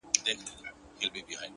د کوڅې پای کې تیاره تل ژوروالی لري.